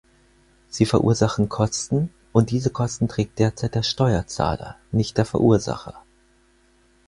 Sie verursachen Kosten, und diese Kosten trägt derzeit der Steuerzahler, nicht der Verursacher.